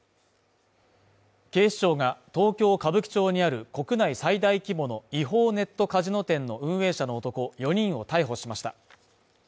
警視庁が東京・歌舞伎町にある国内最大規模の違法ネットカジノ店の運営者の男４人を逮捕しました。